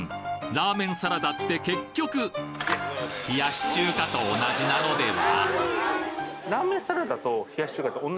ラーメンサラダって結局冷やし中華と同じなのでは？